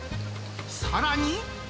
さらに。